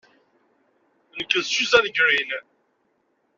Nekk d Susan Greene.